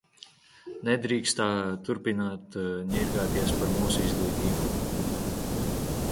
Nedrīkst tā turpināt ņirgāties par mūsu izglītību!